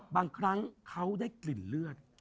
บางครั้งเขาได้กลิ่นเลือด